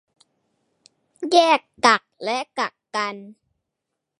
แยกกักและกักกัน